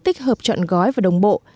tích hợp chọn gói và đồng bộ